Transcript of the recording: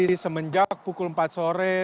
jadi semenjak pukul empat sore